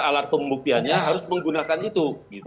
alat pembuktiannya harus menggunakan itu